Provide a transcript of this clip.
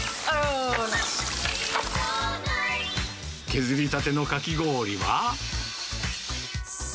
削りたてのかき氷は。